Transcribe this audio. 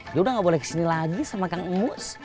dia sudah nggak boleh ke sini lagi sama kang ngus